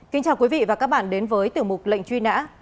kính chào quý vị và các bạn đến với tiểu mục lệnh truy nã